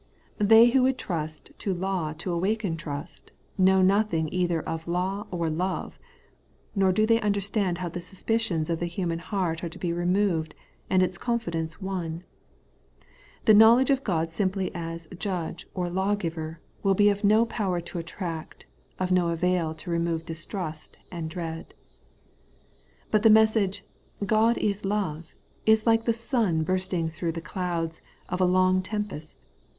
They who would trust to law to awaken trust, know nothing either of law or love; nor do they understand how the suspicions of the human heart are to be removed, and its confidence won. The knowledge of God simply as Judge or Lawgiver will be of no power to attract, of no avail to re move distrust and dread. But the message, ' God is love,' is like the sun bursting through the clouds of a long tempest.